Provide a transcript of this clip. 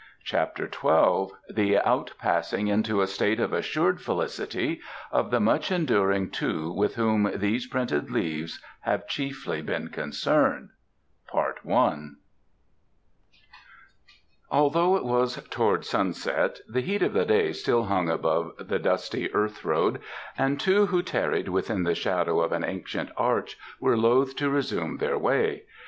CHAPTER XII The Out passing into a State of Assured Felicity of the Much enduring Two With Whom These Printed Leaves Have Chiefly Been Concerned Although it was towards sunset, the heat of the day still hung above the dusty earth road, and two who tarried within the shadow of an ancient arch were loath to resume their way.